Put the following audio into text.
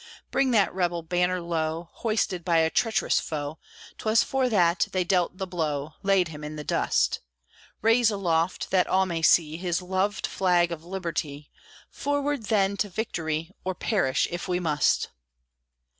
Bring that rebel banner low, Hoisted by a treacherous foe: 'Twas for that they dealt the blow, Laid him in the dust. Raise aloft, that all may see His loved flag of Liberty. Forward, then, to victory, Or perish if we must!